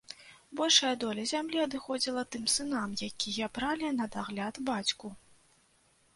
Большая доля зямлі адыходзіла тым сынам, якія бралі на дагляд бацьку.